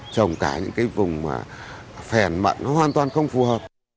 trồng cả những vùng phèn mặn nó hoàn toàn không phù hợp